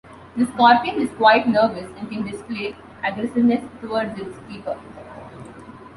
This scorpion is quite nervous and can display aggressiveness towards its keeper.